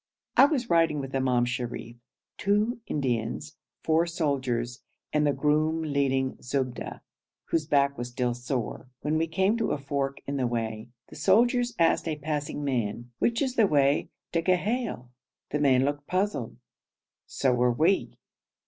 I was riding with Imam Sharif, two Indians, four soldiers, and the groom leading Zubda, whose back was still sore, when we came to a fork in the way. The soldiers asked a passing man, 'Which is the way to Ghail?' The man looked puzzled; so were we.